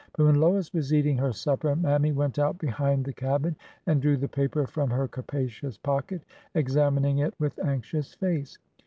But when Lois was eating her supper. Mammy went out behind the cabin and drew the paper from her capacious pocket, examining it with anxious face.